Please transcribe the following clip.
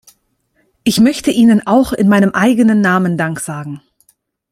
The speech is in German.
Ich möchte Ihnen auch in meinem eigenen Namen Dank sagen.